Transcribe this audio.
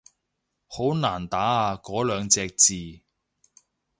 好難打啊嗰兩隻字